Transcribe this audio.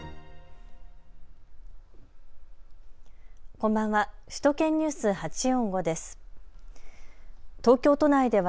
こんばんは。